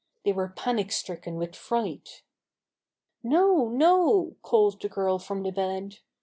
They were panic stricken with fright. "No, no," called the girl from the bed.